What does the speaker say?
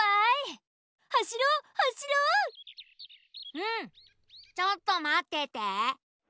うんちょっとまってて。